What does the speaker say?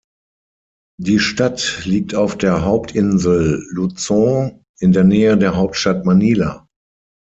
Die Stadt liegt auf der Hauptinsel Luzón in der Nähe der Hauptstadt Manila.